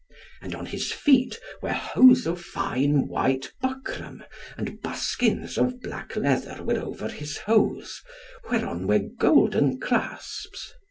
And on his feet were hose of fine white buckram, and buskins of black leather were over his hose, whereon were golden clasps.